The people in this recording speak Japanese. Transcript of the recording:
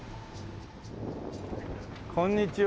こんにちは。